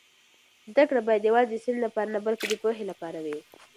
زده کړه باید یوازې د سند لپاره نه بلکې د پوهې لپاره وي.